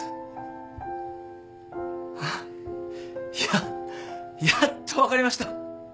いややっと分かりました。